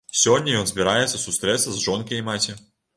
Сёння ён збіраецца сустрэцца з жонкай і маці.